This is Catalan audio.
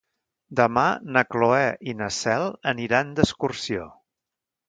Demà na Cloè i na Cel aniran d'excursió.